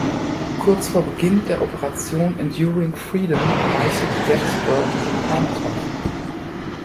Kurz vor Beginn der Operation Enduring Freedom erreichte die "Gettysburg" ihren Heimathafen.